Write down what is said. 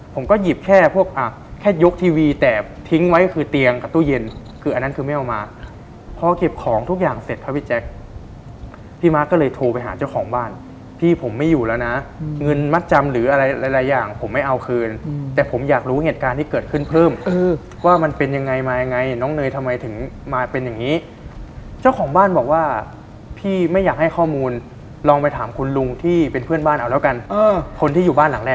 ผมก็หยิบแค่พวกอ่ะแค่ยกทีวีแต่ทิ้งไว้คือเตียงกับตู้เย็นคืออันนั้นคือไม่เอามาพอเก็บของทุกอย่างเสร็จครับพี่แจ๊คพี่มาร์คก็เลยโทรไปหาเจ้าของบ้านพี่ผมไม่อยู่แล้วนะเงินมัดจำหรืออะไรหลายอย่างผมไม่เอาคืนแต่ผมอยากรู้เหตุการณ์ที่เกิดขึ้นเพิ่มว่ามันเป็นยังไงมายังไงน้องเนยทำไมถึงมาเป็นอย่